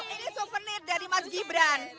ini souvenir dari mas gibran